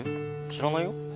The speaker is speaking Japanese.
知らないよ。